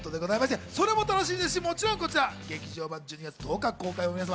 それも楽しみですし、劇場版、１２月１０日公開です。